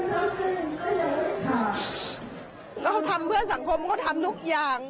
แล้วเขาทำเพื่อสังคมเขาทำทุกอย่าง